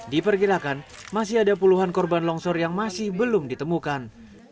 diperkirakan masih ada puluhan korban longsor yang masih belum ditemukan